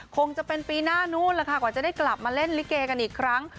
คงจะเป็นปีหน้านู้นแหละค่ะกว่าจะได้กลับมาเล่นลิเกกันอีกครั้ง